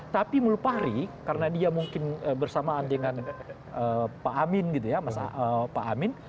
tapi menurut pak hri karena dia mungkin bersamaan dengan pak amin